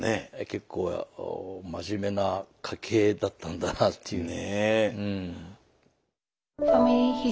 結構真面目な家系だったんだなぁっていう。